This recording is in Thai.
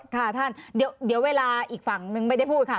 ค่ะท่านเดี๋ยวเวลาอีกฝั่งนึงไม่ได้พูดค่ะ